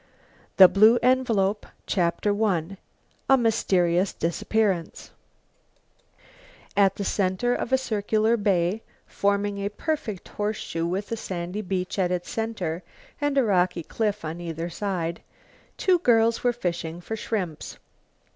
THE BLUE ENVELOPE CHAPTER I A MYSTERIOUS DISAPPEARANCE At the center of a circular bay, forming a perfect horseshoe with a sandy beach at its center and a rocky cliff on either side, two girls were fishing for shrimps.